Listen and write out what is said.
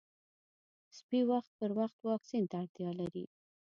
سپي وخت پر وخت واکسین ته اړتیا لري.